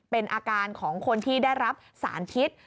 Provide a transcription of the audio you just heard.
เป็นอาการของคนที่ได้รับสารพิษ